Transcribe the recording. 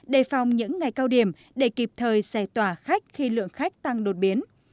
đề phòng những ngày cao điểm để kịp thời xẻ tỏa khách khi lượng khách tăng đột biến